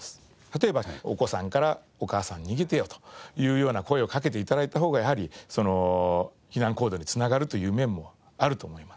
例えばお子さんから「お母さん逃げてよ」というような声をかけて頂いた方がやはり避難行動に繋がるという面もあると思います。